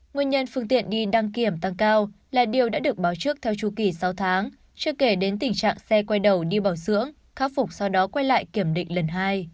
nguyên nhân phương tiện đi đăng kiểm tăng cao là điều đã được báo trước theo chu kỳ sáu tháng chưa kể đến tình trạng xe quay đầu đi bảo dưỡng khắc phục sau đó quay lại kiểm định lần hai